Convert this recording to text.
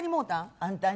あんたに！